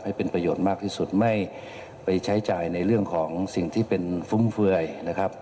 ให้เป็นประโยชน์มากที่สุดไม่ไปใช้จ่ายในเรื่องของสิ่งที่เป็นฟุ่มเฟือยนะครับ